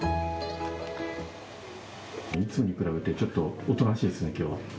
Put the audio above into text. いつもに比べてちょっとおとなしいですね、きょうは。